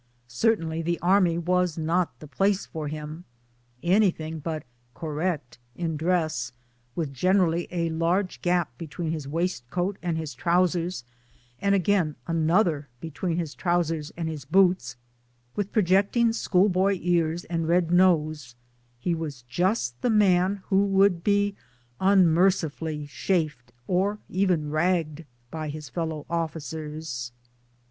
Cer tainly the Army was not the place for him. Anything but ' correct ' in dress, with generally a large gap between his waistcoat and his trousers, and again another between his trousers and his boots, with pro jecting schoolboy ears and red nose, he was just the man who would be unmercifully chaffed or even ' ragged * by his fellow officers.